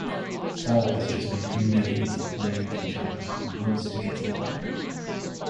Thor has just been humiliated in a drinking challenge and wants to get even.